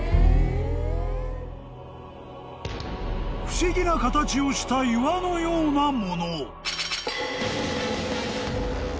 ［不思議な形をした岩のようなもの］